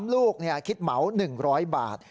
ลูกคิดเหมา๑๐๐บาท